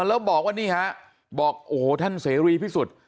แล้วบอกว่านี่ฮะบอกโอ้โหท่านเสรีพิสุทธิ์